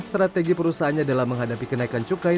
strategi perusahaannya dalam menghadapi kenaikan kenaikan kenaikan